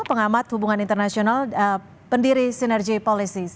pengamat hubungan internasional pendiri sinergy policies